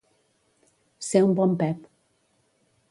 Ser un bon Pep.